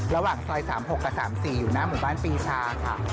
ระหว่างซอย๓๖กับ๓๔อยู่หน้าหมู่บ้านปีชาค่ะ